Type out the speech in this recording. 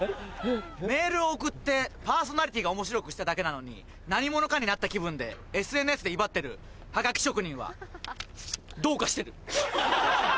メールを送ってパーソナリティーが面白くしただけなのに何者かになった気分でＳＮＳで威張ってるハガキ職人はどうかしてる！